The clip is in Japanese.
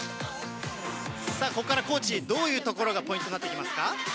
さあ、ここからコーチ、どういうところがポイントになってきますか？